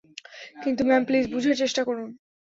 কিন্তু, ma'am, please বুঝার চেষ্টা করুন।